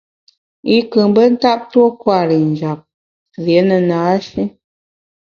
I nkù mbe ntap tuo kwer i njap, rié ne na-shi.